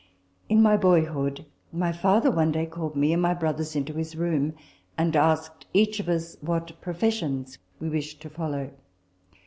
f In my boyhood, my father one day called me and my brothers into his room, and asked us each what professions we wished to follow.